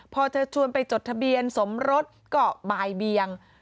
พอเธอชวนไปจดทะเบียนสมรสก็บ่ายเบียง